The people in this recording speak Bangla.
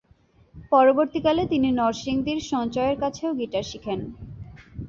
পরবর্তীকালে তিনি নরসিংদীর সঞ্চয়ের কাছেও গিটার শিখেন।